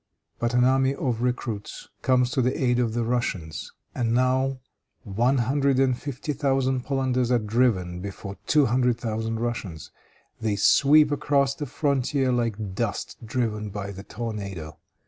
But an army of recruits comes to the aid of the Russians. And now one hundred and fifty thousand Polanders are driven before two hundred thousand Russians. They sweep across the frontier like dust driven by the tornado.